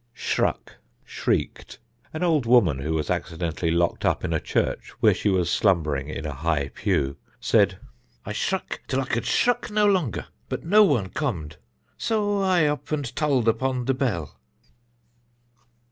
Shruck (Shrieked): An old woman who was accidentally locked up in a church where she was slumbering in a high pew, said, "I shruck till I could shruck no longer, but no one comed, so I up and tolled upon the bell."